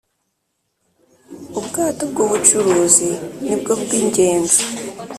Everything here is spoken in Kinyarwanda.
ubwato bw’ubucuruzi nibwo bwingenzi